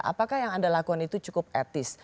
apakah yang anda lakukan itu cukup etis